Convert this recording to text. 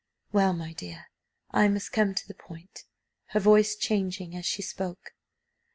"Well, my dear, I must come to the point," her voice changing as she spoke.